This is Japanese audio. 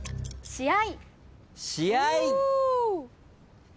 試合。